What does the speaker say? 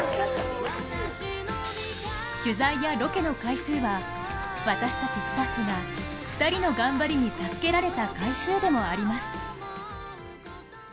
取材やロケの回数は私たちスタッフが２人の頑張りに助けられた回数でもあります。